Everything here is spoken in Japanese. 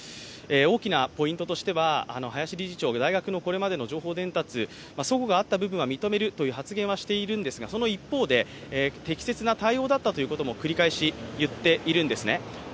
大きなポイントとしては林理事長、大学のこれまでの情報伝達にそごがあった部分は認めるという発言はしているんですが、その一方で、適切な対応だったということも繰り返し言っているんです。